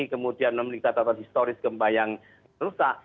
kemudian memiliki tata tata historis gempa yang rusak